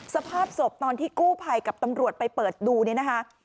สภาพศพตอนที่กู้ภัยกับตำรวจไปเปิดดูเนี่ยนะคะ